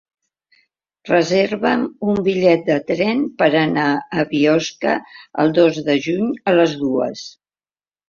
Reserva'm un bitllet de tren per anar a Biosca el dos de juny a les dues.